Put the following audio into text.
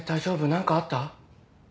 何かあった？